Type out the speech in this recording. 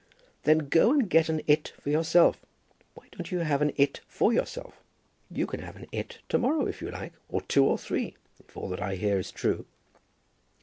"Then go and get an 'it' for yourself. Why don't you have an 'it' for yourself? You can have an 'it' to morrow, if you like, or two or three, if all that I hear is true."